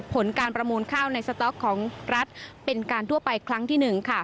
ผลการประมูลข้าวในสต๊อกของรัฐเป็นการทั่วไปครั้งที่๑ค่ะ